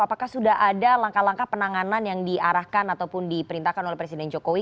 apakah sudah ada langkah langkah penanganan yang diarahkan ataupun diperintahkan oleh presiden jokowi